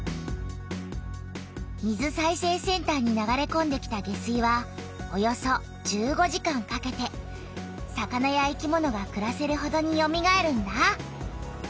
水再生センターに流れこんできた下水はおよそ１５時間かけて魚や生きものがくらせるほどによみがえるんだ。